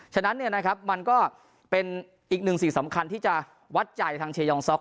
ฉะนั้นมันก็เป็นอีกหนึ่งสิ่งสำคัญที่จะวัดใจทางเชยองซ็อก